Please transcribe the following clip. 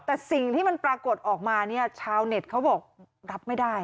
แต่สิ่งที่มันปรากฏออกมาเนี่ยชาวเน็ตเขาบอกรับไม่ได้